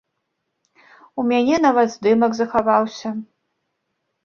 У мяне нават здымак захаваўся.